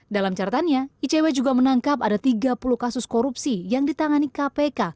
dalam caratannya icw juga menangkap ada tiga puluh kasus korupsi yang ditangani kpk